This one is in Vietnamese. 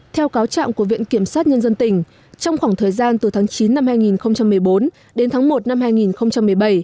theo cáo trạng của viện kiểm sát nhân dân tỉnh trong khoảng thời gian từ tháng chín năm hai nghìn một mươi bốn đến tháng một năm hai nghìn một mươi bảy